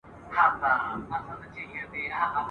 په هیڅ کي نسته مزه شیرینه !.